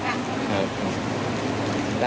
จังหวัดนะคะ